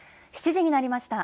７時になりました。